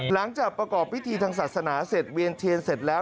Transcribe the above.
หลังจากประกอบพิธีทางศาสนาเสร็จเวียนเทียนเสร็จแล้ว